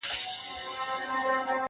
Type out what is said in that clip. • هم ویالې وې وچي سوي هم سیندونه -